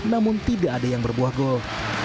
namun tidak ada yang berbuah gol